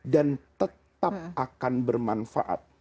dan tetap akan bermanfaat